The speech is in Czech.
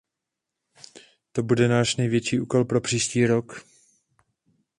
To bude náš největší úkol pro příští rok.